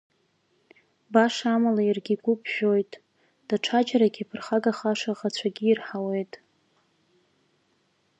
Баша амала иаргьы игәы ԥжәоит, даҽаџьарагьы иԥырхагаша аӷацәагьы ирҳауеит.